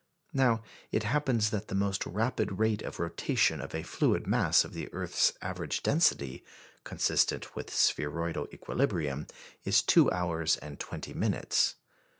Now it happens that the most rapid rate of rotation of a fluid mass of the earth's average density, consistent with spheroidal equilibrium, is two hours and twenty minutes.